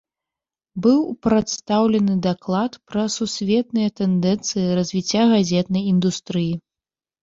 Быў прадстаўлены даклад пра сусветныя тэндэнцыі развіцця газетнай індустрыі.